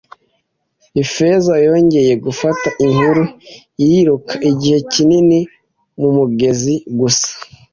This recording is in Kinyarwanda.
Ifeza, yongeye gufata inkuru iriruka igihe kinini mumugezi, gusa